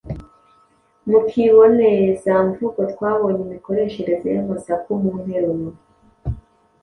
Mu kibonezamvugo twabonye imikoreshereze y’amasaku mu nteruro.